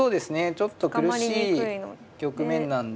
ちょっと苦しい局面なんで。